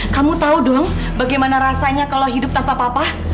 kamu tau dong bagaimana rasanya kalau hidup tanpa papa